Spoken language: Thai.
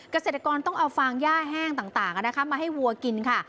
เกษตรกรต้องเอาฟางย่าแห้งต่างมาให้วัวกินค่ะ